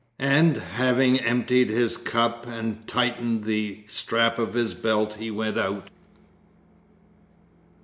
And having emptied his cup and tightened the strap of his belt he went out.